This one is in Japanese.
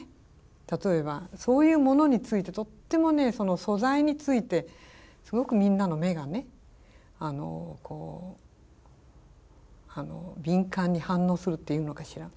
例えばそういうものについてとってもねその素材についてすごくみんなの目が敏感に反応するっていうのかしら。